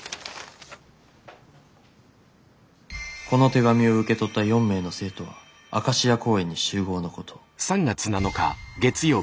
「この手紙を受け取った４名の生徒はアカシア公園に集合のこと」。